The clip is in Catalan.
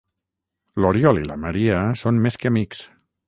L'Oriol i la Maria són més que amics.